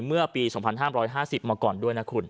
เมื่อปี๒๕๕๐มาก่อนด้วยนะคุณ